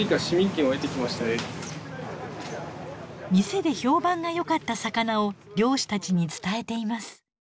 店で評判がよかった魚を漁師たちに伝えています。